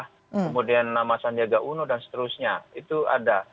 kemudian nama sandiaga uno dan seterusnya itu ada